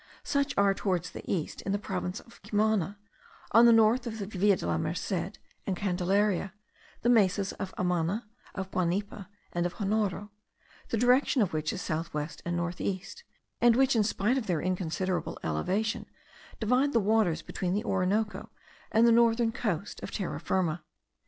Such are, towards the east, in the province of Cumana, on the north of the Villa de la Merced and Candelaria, the Mesas of Amana, of Guanipa, and of Jonoro, the direction of which is south west and north east; and which, in spite of their inconsiderable elevation, divide the waters between the Orinoco and the northern coast of Terra Firma.